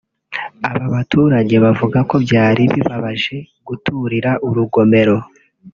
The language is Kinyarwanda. Aba baturage bavuga ko byari bibabaje guturira urugomero